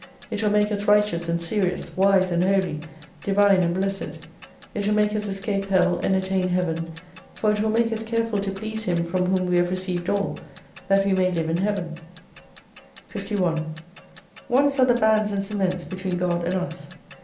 It will make us righteous and serious, wise and holy, divine and blessed. It will make us escape Hell and attain Heaven, for it will make us careful to please Him from whom we have received all, that we may live in Heaven. 51 Wants are the bands and cements between God and us.